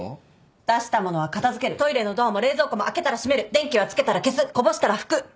出した物は片付けるトイレのドアも冷蔵庫も開けたら閉める電気はつけたら消すこぼしたら拭く！